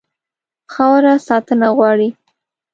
خاوره ساتنه غواړي.